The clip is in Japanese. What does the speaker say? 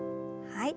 はい。